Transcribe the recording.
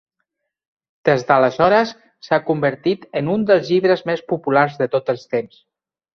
Des d'aleshores s'ha convertit en un del llibres més populars de tots els temps.